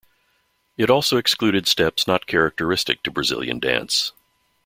It also excluded steps not characteristic to Brazilian dance.